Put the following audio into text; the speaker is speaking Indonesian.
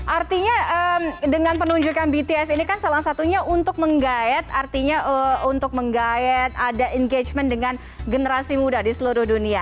artinya dengan penunjukan bts ini kan salah satunya untuk menggayat artinya untuk menggayat ada engagement dengan generasi muda di seluruh dunia